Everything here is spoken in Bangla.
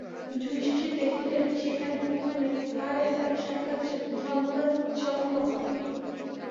যুধিষ্ঠির দেখিলেন, সেখানে কুকুর নাই, তাহার স্থানে সাক্ষাৎ ধর্মরাজ যম বর্তমান।